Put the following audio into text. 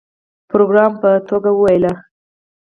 پروګرامر په ټوکه وویل